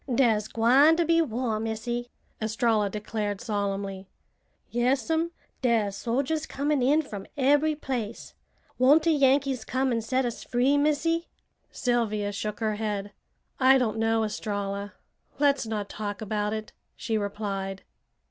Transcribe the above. "Dar's gwine to be war, Missy!" Estralla declared solemnly. "Yas'm. Dar's soldiers comin' in from ebery place. Won't de Yankees come and set us free, Missy?" Sylvia shook her head. "I don't know, Estralla! Let's not talk about it," she replied.